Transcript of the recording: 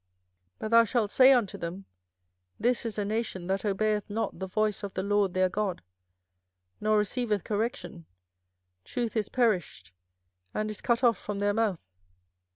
24:007:028 But thou shalt say unto them, This is a nation that obeyeth not the voice of the LORD their God, nor receiveth correction: truth is perished, and is cut off from their mouth.